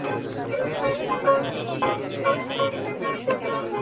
El banco se fusionó con Alex.